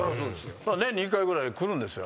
年に１回ぐらい来るんですよ